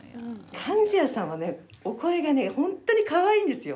貫地谷さんはお声が本当にかわいいんですよ。